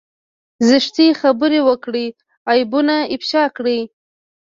زشتې خبرې وکړي عيبونه افشا کړي.